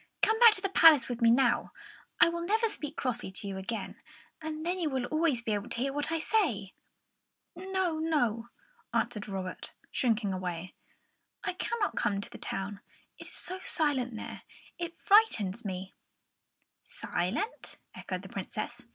"Come back to the palace with me now; I will never speak crossly to you again, and then you will always be able to hear what I say." "No, no," answered Robert, shrinking back. "I cannot come to the town; it is so silent there, it frightens me." "Silent?" echoed the Princess.